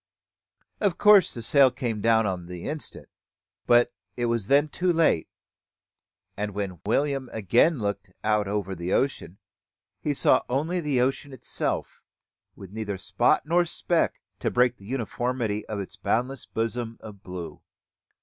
Of course the sail came down upon the instant; but it was then too late; and when William again looked out over the ocean, he saw only the ocean itself, with neither spot nor speck to break the uniformity of its boundless bosom of blue.